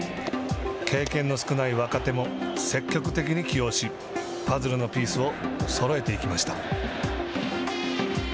経験の少ない若手も積極的に起用しパズルのピースをそろえていきました。